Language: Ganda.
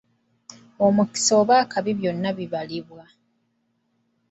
Omukisa oba akabi byonna bibalibwa.